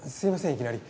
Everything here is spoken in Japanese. いきなり。